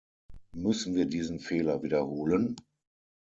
Müssen wir diesen Fehler wiederholen?